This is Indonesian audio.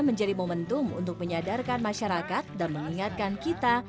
menjadi momentum untuk menyadarkan masyarakat dan mengingatkan kita